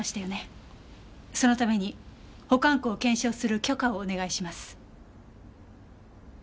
そのために保管庫を検証する許可をお願いします。